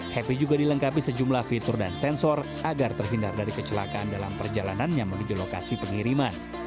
happy juga dilengkapi sejumlah fitur dan sensor agar terhindar dari kecelakaan dalam perjalanannya menuju lokasi pengiriman